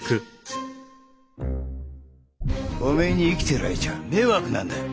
おめえに生きてられちゃ迷惑なんだよ！